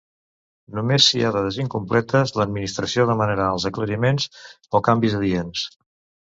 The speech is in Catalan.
Només si hi ha dades incompletes l'administració demanarà els aclariments o canvis adients.